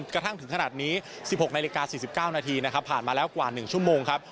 กระทั่งถึงขนาดนี้๑๖นาฬิกา๔๙นาทีนะครับผ่านมาแล้วกว่า๑ชั่วโมงครับ